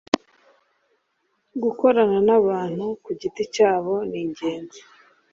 gukorana nabantu ku giti cyabo niingenzi.